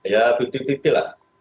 ya tipik tipik lah